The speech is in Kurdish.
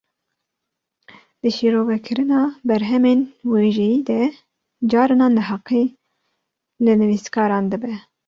Di şîrovekirina berhemên wêjeyî de, carnan neheqî li nivîskaran dibe